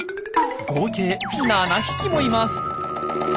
合計７匹もいます。